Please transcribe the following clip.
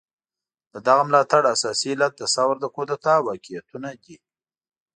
د دغه ملاتړ اساسي علت د ثور د کودتا واقعيتونه دي.